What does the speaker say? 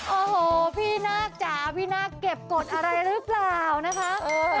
โอ้โหพี่นาคจ๋าพี่นาคเก็บกฎอะไรหรือเปล่านะคะ